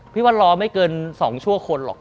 พี่ว่ารอไม่เกิน๒ชั่วคนหรอก